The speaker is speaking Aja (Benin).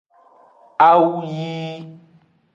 Awu yi.